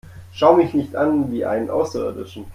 Schau mich nicht an wie einen Außerirdischen!